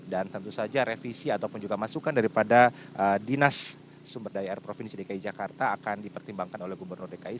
dan tentu saja revisi ataupun juga masukan daripada dinas sumberdaya air provinsi dki jakarta akan dipertimbangkan oleh gubernur dki